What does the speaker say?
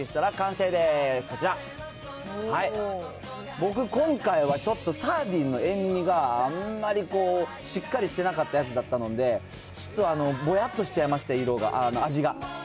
僕、今回はちょっとサーディンの塩味が、あんまりこうしっかりしてなかったやつだったので、ちょっとぼやっとしちゃいまして、味が。